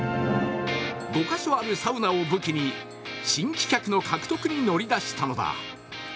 ５カ所あるサウナを武器に新規客の獲得に乗り出したのだ。